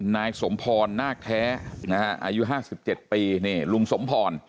นายสมพรนาคแท้นะฮะอายุ๕๗ปีนี่ลุงสมพร